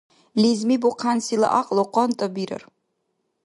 Лезми бухъянсила гӀякьлу къантӀа бирар.